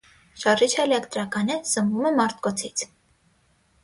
Շարժիչը էլեկտրական է, սնվում է մարտկոցից։